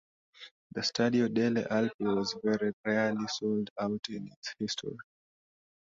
The Stadio delle Alpi was very rarely sold out in its history.